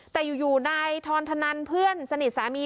แต่อยู่นายทรธนันเพื่อนสนิทสามี